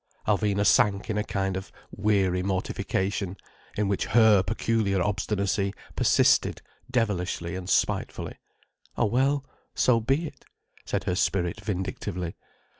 Alvina sank in a kind of weary mortification, in which her peculiar obstinacy persisted devilishly and spitefully. "Oh well, so be it," said her spirit vindictively.